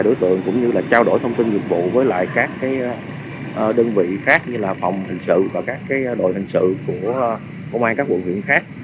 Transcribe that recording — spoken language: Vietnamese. đối tượng cũng như là trao đổi thông tin dịch vụ với lại các đơn vị khác như là phòng hình sự và các đội hình sự của công an các quận huyện khác